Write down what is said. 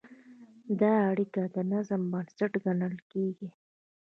دا اړیکه د نظم بنسټ ګڼل کېږي.